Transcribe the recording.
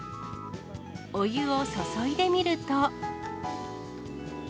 お湯を注いでみると。